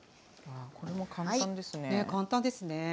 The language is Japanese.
これも簡単ですね。